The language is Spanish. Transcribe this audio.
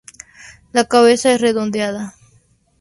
La cabeza es redondeada.